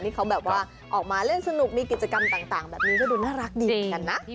นี่เขาแบบว่าออกมาเล่นสนุกมีกิจกรรมต่างแบบนี้ก็ดูน่ารักดี